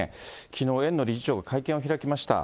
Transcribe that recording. きのう、園の理事長が会見を開きました。